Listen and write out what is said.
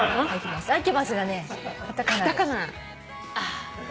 ああ。